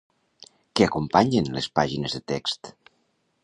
Què acompanyen les pàgines de text?